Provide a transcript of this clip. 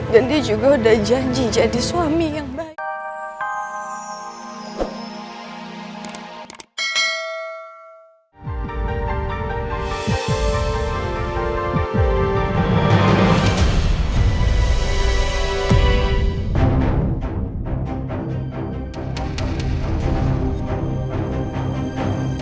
dan dia juga udah janji jadi suami yang baik